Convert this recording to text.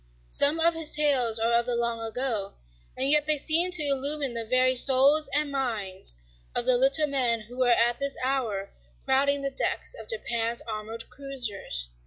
Some of his tales are of the long ago, and yet they seem to illumine the very souls and minds of the little men who are at this hour crowding the decks of Japan's armored cruisers.